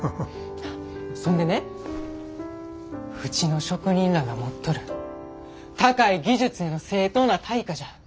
そんでね「うちの職人らが持っとる高い技術への正当な対価じゃ。